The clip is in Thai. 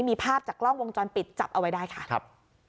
มีภาพจากกล้องวงจรปิดจับเอาไว้ได้ค่ะครับ